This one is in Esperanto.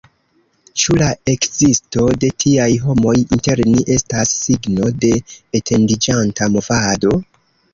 Ĉu la ekzisto de tiaj homoj inter ni estas signo de etendiĝanta movado?